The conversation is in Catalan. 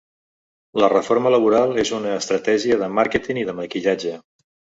La reforma laboral és una estratègia de màrqueting i de maquillatge.